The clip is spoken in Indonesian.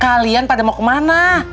kalian pada mau kemana